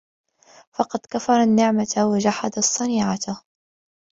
فَقَدْ كَفَرَ النِّعْمَةَ وَجَحَدَ الصَّنِيعَةَ